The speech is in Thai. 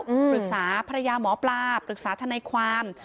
ปรึกษาภรรยาหมอปลาปรึกษาทนายความ